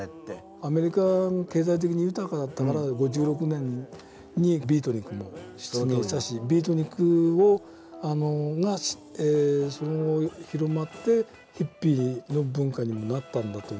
アメリカが経済的に豊かだったから５６年にビートニクも出現したしビートニクが広まってヒッピーの文化にもなったんだと思うんですよね。